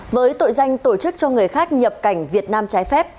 với tội danh tổ chức cho người khác nhập cảnh việt nam trái phép